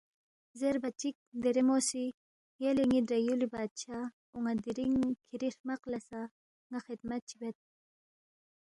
زیربا چِک دیرے مو سی، یلے ن٘ی درے یُولی بادشاہ اون٘ا دِرِنگ کِھری ہرمق لہ سہ ن٘ا خدمت چی بید